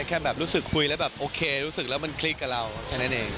แค่แบบรู้สึกคุยแล้วแบบโอเครู้สึกแล้วมันคลิกกับเราแค่นั้นเอง